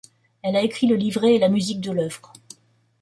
Elle a écrit le livret et la musique de l’œuvre.